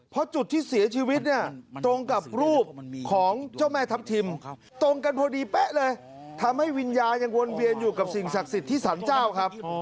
เพราะจุดที่เสียชีวิตเนี่ยตรงกับรูปของเจ้าแม่ทัพทิมตรงกันพอดีเป๊ะเลยทำให้วิญญาณยังวนเวียนอยู่กับสิ่งศักดิ์สิทธิ์ที่สรรเจ้าครับ